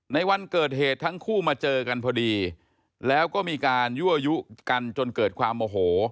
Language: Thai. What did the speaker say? ในวันเกิดเหตุทั้งคู่มาเจอกันพอดีแล้วก็มีการยั่วยุกันจนเกิดความโมโห